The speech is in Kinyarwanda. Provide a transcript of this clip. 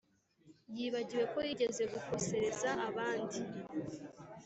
yibagiwe ko yigeze gukosereza abandi.